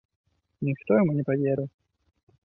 Ніхто яму не паверыў.